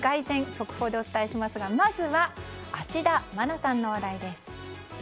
速報でお伝えしますがまずは、芦田愛菜さんの話題です。